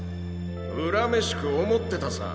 恨めしく思ってたさ。